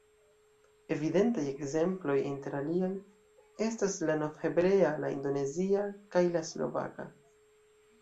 Evidentaj ekzemploj, inter aliaj, estas la novhebrea, la indonezia kaj la slovaka.